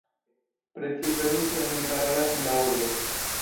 Precipe ruse oni parolas en la urbo.